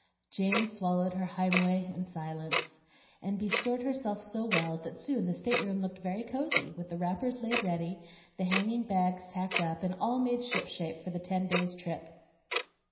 Jane swallowed her "heimweh" in silence, and bestirred herself so well that soon the stateroom looked very cosy with the wrappers laid ready, the hanging bags tacked up, and all made ship shape for the ten days' trip.